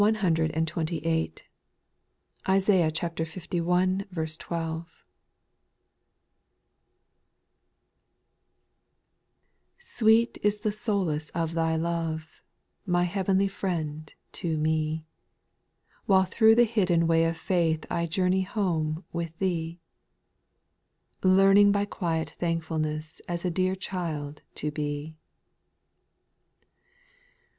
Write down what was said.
"SPIRITUAL SONGS, lU 128. Isaiah li. 12. 1. Q WEET is the solace of Thy love, My heavenly Friend, to me, While through the hidden way of faith I journey home with Thee, Learning by quiet thankfulness As a dear child to be.